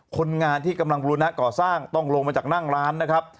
คนงานที่กำลังบูรณะก่อสร้างต้องลงมาจากนั่งร้านนะครับ